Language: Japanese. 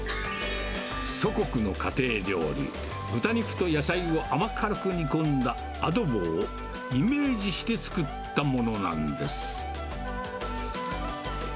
祖国の家庭料理、豚肉と野菜を甘辛く煮込んだアドボをイメージして作ったものなんです。